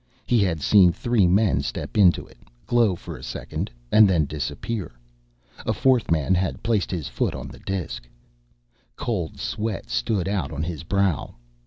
He had seen three men step into it, glow for a second, and then disappear. A fourth man had placed his foot on the disk. Cold sweat stood out on his brow.